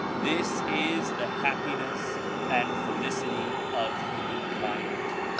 This is the happiness and felicity of human kind.